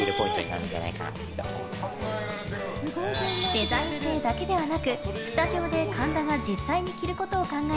デザイン性だけではなくスタジオで神田が実際に着ることを考え